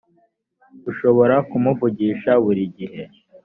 ushobora kumuvugisha buri gihe